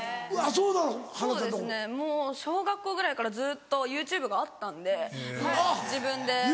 そうですねもう小学校ぐらいからずっとＹｏｕＴｕｂｅがあったんで自分で練習して。